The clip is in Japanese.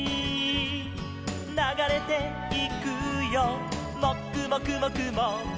「ながれていくよもくもくもくも」